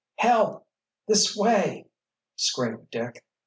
"Help—this way!" screamed Dick.